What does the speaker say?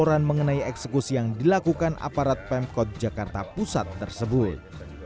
laporan mengenai eksekusi yang dilakukan aparat pemkot jakarta pusat tersebut